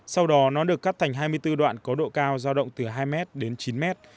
sau đó nó được cắt thành hai mươi bốn đoạn có độ cao giao động từ hai mét đến chín mét